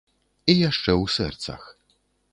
І яшчэ ў сэрцах.